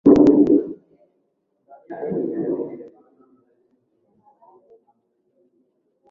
wanafunga hedhi wakiwa wamechelewa